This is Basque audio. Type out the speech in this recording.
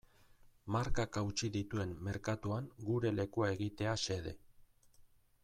Markak hautsi dituen merkatuan gure lekua egitea xede.